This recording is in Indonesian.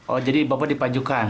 oh jadi bapak dipajukan